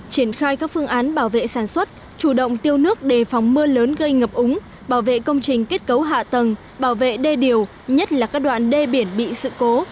triển khai các phương án bảo vệ sản xuất chủ động tiêu nước đề phòng mưa lớn gây ngập úng bảo vệ công trình kết cấu hạ tầng bảo vệ đê điều nhất là các đoạn đê biển bị sự cố